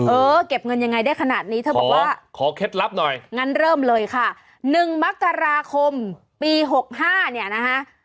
เออเก็บเงินยังไงได้ขนาดนี้เธอบอกว่าขอเคล็ดลับหน่อยงั้นเริ่มเลยค่ะ๑มกราคมปี๖๕เนี่ยนะคะ